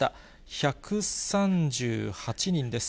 １３８人です。